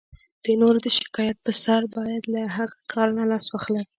د نورو د شکایت په سر باید له هغه کار نه لاس واخلئ.